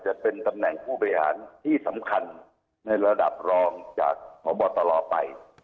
จะเป็นตำแหน่งผู้บริหารที่สำคัญในระดับรองจากพบตรไป